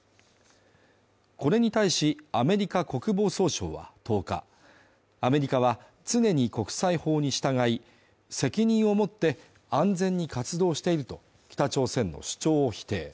これに対し、アメリカ国防総省は１０日アメリカは常に国際法に従い、責任を持って安全に活動していると北朝鮮の主張を否定。